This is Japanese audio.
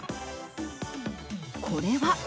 これは。